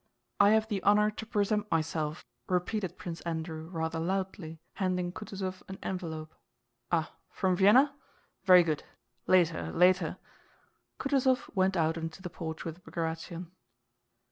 "I have the honor to present myself," repeated Prince Andrew rather loudly, handing Kutúzov an envelope. "Ah, from Vienna? Very good. Later, later!" Kutúzov went out into the porch with Bagratión.